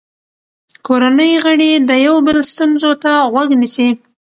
کورنۍ غړي د یو بل ستونزو ته غوږ نیسي